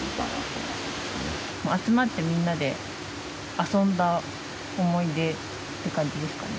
集まってみんなで遊んだ思い出って感じですかね。